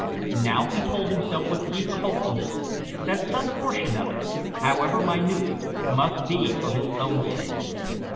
Now he told himself with eager hopefulness that some portion of it, however minute, must be for his own sake.